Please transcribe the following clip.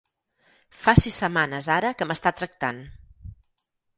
Fa sis setmanes ara que m'està tractant.